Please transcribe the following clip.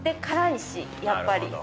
辛いしやっぱり。